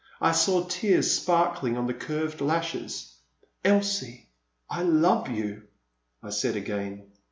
I saw tears sparkling on the curved lashes. " Elsie, I love you," I said again.